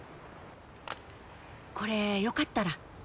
これよかったら